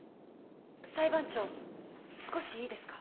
裁判長少しいいですか？